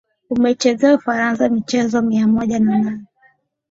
Ameichezea Ufaransa michezo mia moja na nane